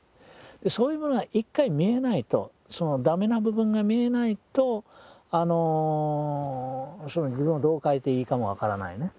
そういうものが一回見えないとダメな部分が見えないと自分をどう変えていいかも分からないね。